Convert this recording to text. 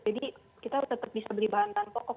jadi kita tetap bisa beli bahan tanpa kok